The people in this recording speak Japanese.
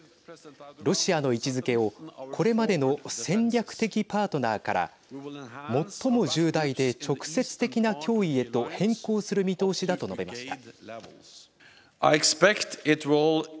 ロシアの位置づけをこれまでの戦略的パートナーから最も重大で直接的な脅威へと変更する見通しだと述べました。